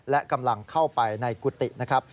และกำลังเข้าไปในกุฏินะครับ